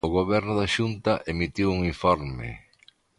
O Goberno da Xunta emitiu un informe.